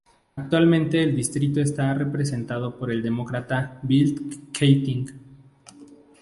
Actualmente el distrito está representado por el Demócrata Bill Keating.